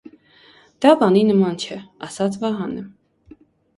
դա բանի նման չէ,- ասաց Վահանը: